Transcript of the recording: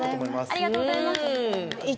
ありがとうございます。